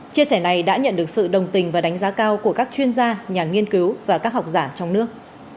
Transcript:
chia sẻ này đã nhận được sự đồng tình và đánh giá cao của các chuyên gia nhà nghiên cứu và các học giả trong nước